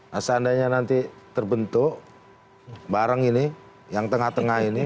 nah seandainya nanti terbentuk bareng ini yang tengah tengah ini